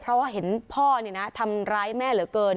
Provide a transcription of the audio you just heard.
เพราะว่าเห็นพ่อทำร้ายแม่เหลือเกิน